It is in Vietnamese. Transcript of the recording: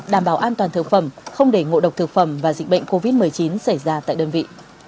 đảm bảo an toàn thực phẩm không để ngộ độc thực phẩm và dịch bệnh covid một mươi chín xảy ra tại đơn vị